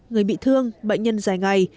người bị thương bệnh nhân dài ngày